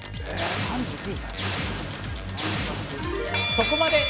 そこまで！